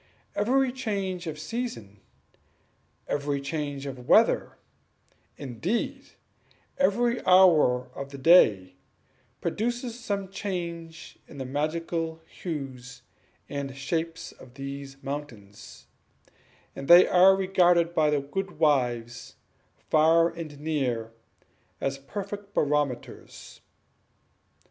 Every change of season, every change of weather, indeed, every hour of the day, produces some change in the magical hues and shapes of these mountains, and they are regarded by all the good wives, far and near, as perfect barometers.